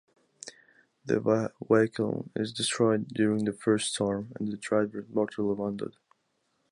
The vehicle is destroyed during the first storm and the driver is mortally wounded.